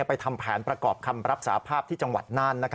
ทำแผนประกอบคำรับสาภาพที่จังหวัดน่าน